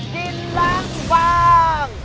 กินล้างบาง